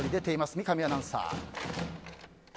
三上アナウンサー。